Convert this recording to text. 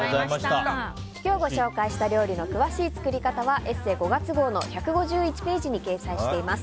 今日ご紹介した料理の詳しい作り方は「ＥＳＳＥ」５月号の１５１ページに掲載しています。